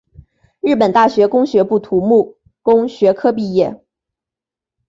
日本大学工学部土木工学科毕业。